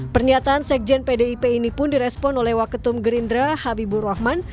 pernyataan sekjen pdip ini pun direspon oleh waketum gerindra habibur rahman